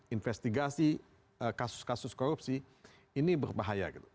investigasi kasus kasus korupsi ini berbahaya gitu